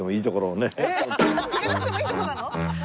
行かなくてもいいとこなの？